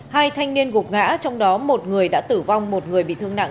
hai thanh niên gục ngã trong đó một người đã tử vong một người bị thương nặng